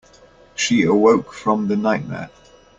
She awoke from the nightmare.